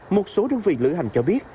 một số đơn vị lựa hành cho biết